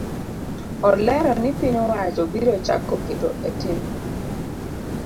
Olero ni piny owacho biro chako keto etim